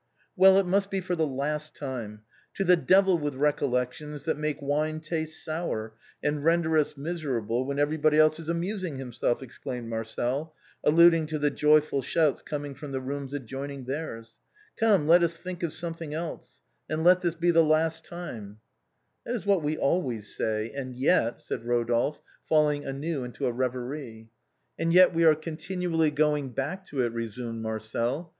" Well, it must be for the last time. To the devil with recollections that make wine taste sour and render us miserable when everybody else is amusing himself," ex claimed Marcel, alluding to the joyful shouts coming from the rooms adjoining theirs. " Come, let us think of something else, and let this be the last time." EPILOGUE TO THE LOVES OF RODOLPHE AND MIMT. 319 " That is what wc always say and yet —^," said Ko dolphe, falling anew into a reverie. "And yet we are continually going back to it," resumed Marcel.